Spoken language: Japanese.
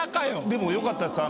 でもよかったです。